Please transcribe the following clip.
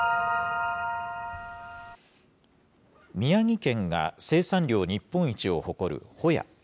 宮城県が生産量日本一を誇る、ほや。